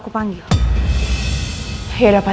tunggu aja berusaha